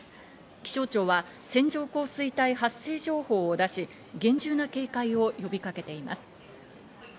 気象庁は線状降水帯発生情報を出し、厳重な警戒を呼びかけています。